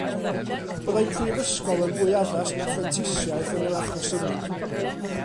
Byddai prifysgol yn fwy addas na phrentisiaeth yn yr achos yma